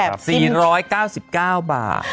๔๙๙บาท